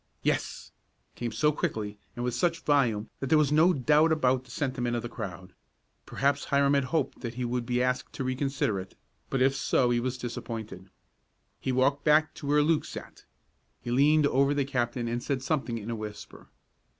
"Yes!" came so quickly and with such volume that there was no doubt about the sentiment of the crowd. Perhaps Hiram had hoped that he would be asked to reconsider it, but if so he was disappointed. He walked back to where Luke sat. He leaned over the captain and said something in a whisper.